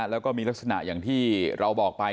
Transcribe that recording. แล้วก็มีลักษณะอย่างที่เราบอกไป